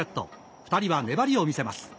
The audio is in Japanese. ２人は粘りを見せます。